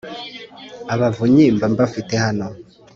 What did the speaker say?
Abavunyi mba mbafite hano